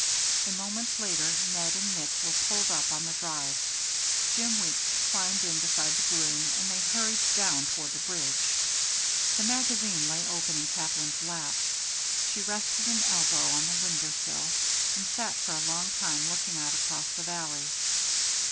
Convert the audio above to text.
A moment later Ned and Nick were pulled up on the drive, Jim Weeks climbed in beside the groom, and they hurried down toward the bridge. The magazine lay open in Katherine's lap. She rested an elbow on the window sill and sat for a long time looking out across the valley.